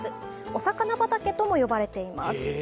おさかな畑とも呼ばれています。